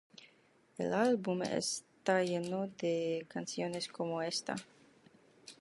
El álbum está lleno de canciones como esta.